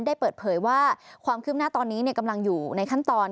ได้เปิดเผยว่าความคืบหน้าตอนนี้กำลังอยู่ในขั้นตอน